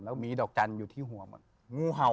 แล้วมีดอกจันทร์อยู่ที่หัวงูเห่า